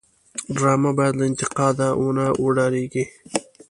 ډرامه باید له انتقاد ونه وډاريږي